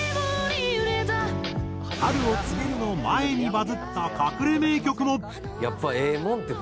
『春を告げる』の前にバズった隠れ名曲も。